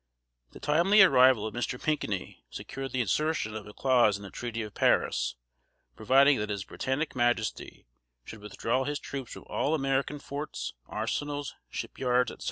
The timely arrival of Mr. Pinckney, secured the insertion of a clause in the Treaty of Paris, providing that his Britannic Majesty should withdraw his troops from all American forts, arsenals, shipyards, etc.